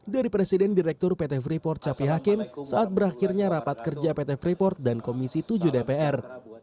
dari presiden direktur pt freeport capi hakim saat berakhirnya rapat kerja pt freeport dan komisi tujuh dpr